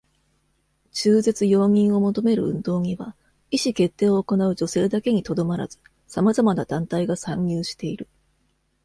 中絶容認を求める運動には、意思決定を行う女性だけに留まらずさまざまな団体が算入している。